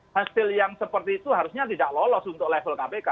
hasil yang seperti itu harusnya tidak lolos untuk level kpk